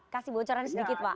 kasih bocoran sedikit pak